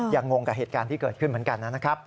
งงกับเหตุการณ์ที่เกิดขึ้นเหมือนกันนะครับ